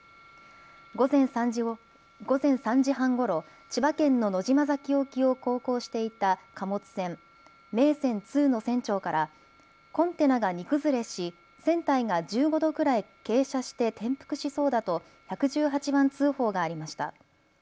午前３時半ごろ千葉県の野島崎沖を航行していた貨物船、めいせん２の船長からコンテナが荷崩れし、船体が１５度くらい傾斜して転覆しそうだと１１８番通報がありました。